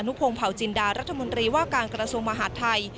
ด่านผลเอกอนุโพงเผาจินดารัฐมนตรีว่าการกรสมมหาธัย